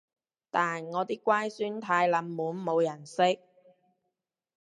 但我啲乖孫太冷門冇人識